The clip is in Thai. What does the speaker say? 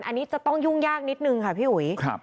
อันนี้จะต้องยุ่งยากนิดนึงค่ะพี่อุ๋ย